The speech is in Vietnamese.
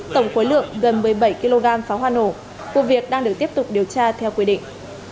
tổng khối lượng gần một mươi bảy kg pháo hoa nổ vụ việc đang được tiếp tục điều tra theo quy định